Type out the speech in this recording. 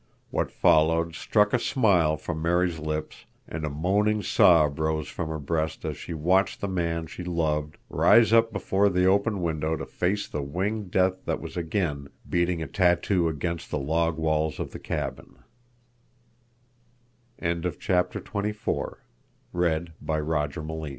What followed struck a smile from Mary's lips, and a moaning sob rose from her breast as she watched the man she loved rise up before the open window to face the winged death that was again beating a tattoo against the log walls of the